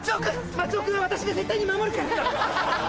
松尾君は私が絶対に守るから！